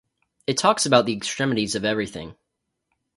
It talks about the extremities of everything.